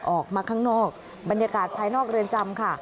ออกมาข้างนอกบรรยากาศภายนอกเรือนจำค่ะ